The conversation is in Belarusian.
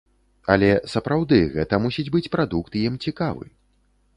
Але, сапраўды, гэта мусіць быць прадукт ім цікавы.